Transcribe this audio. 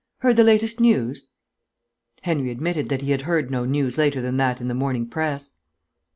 Heard the latest news?" Henry admitted that he had heard no news later than that in the morning press.